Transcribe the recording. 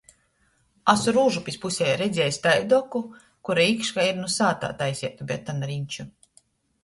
Asu Rūžupis pusē redziejs taidu oku, kura īškā ir nu sātā taiseitu betona riņču.